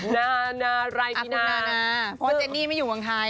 เหภนร้าเพราะว่าเจนนี่ไม่อยู่บางทาย